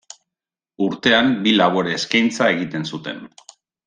Urtean bi labore eskaintza egiten zuten.